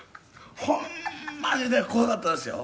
ほんまにね怖かったですよ」